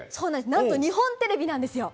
なんと日本テレビなんですよ。